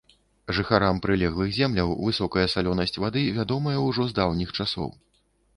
Жыхарам прылеглых земляў высокая салёнасць вады вядомая ўжо з даўніх часоў.